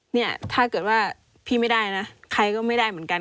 เนี่ยถ้าเกิดว่าพี่ไม่ได้นะใครก็ไม่ได้เหมือนกัน